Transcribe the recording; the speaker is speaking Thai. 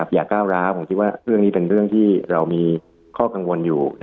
ก้าวร้าวผมคิดว่าเรื่องนี้เป็นเรื่องที่เรามีข้อกังวลอยู่